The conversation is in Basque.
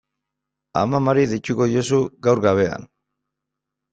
Amamari deituko diozu gaur gauean.